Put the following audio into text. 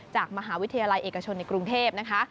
จากมหาวิทยาลัยเอกชนในกรุงเทพนะคะ